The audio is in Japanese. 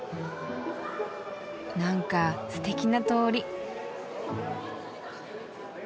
なんかすてきな通り。